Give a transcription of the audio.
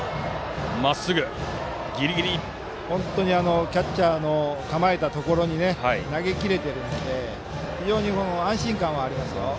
本当にキャッチャーの構えたところに投げ切れているので非常に安心感はありますよ。